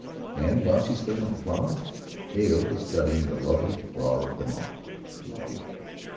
And while she studied the flowers Hale was studying the loveliest flower of them all little June.